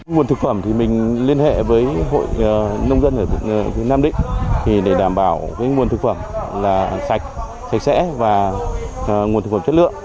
nguồn thực phẩm thì mình liên hệ với hội nông dân ở nam định để đảm bảo nguồn thực phẩm là sạch sạch sẽ và nguồn thực phẩm chất lượng